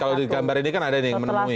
kalau di gambar ini kan ada nih menemui